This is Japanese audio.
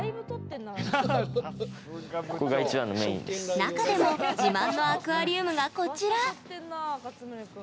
中でも自慢のアクアリウムがこちら。